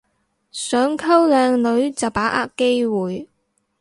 想溝靚女就把握機會